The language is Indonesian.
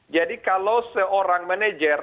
jadi kalau seorang manajer